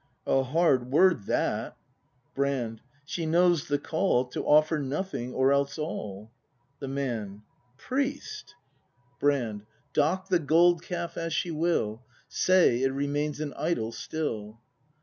A hard word, that. Brand. She knows the call, — To offer Nothing, or else all. The Man. Priest! 118 ' BRAND [ACT III Brand. Dock the gold calf as she will. Say, it remains an idol still.